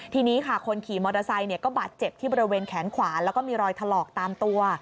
ทีนี้ค่ะคนขี่มอเตอร์ไซค์ก็บาดเจ็บที่บริเวณแขนขวาแล้วก็มีรอยถลอกตามตัว